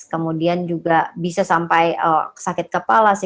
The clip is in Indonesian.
kemudian bisa sampai sakit kepala psikosomatis seperti ini